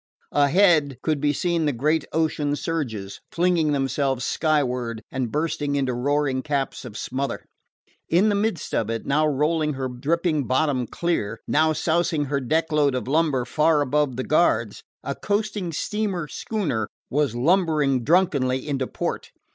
Ahead could be seen the great ocean surges, flinging themselves skyward and bursting into roaring caps of smother. In the midst of it, now rolling her dripping bottom clear, now sousing her deck load of lumber far above the guards, a coasting steam schooner was lumbering drunkenly into port.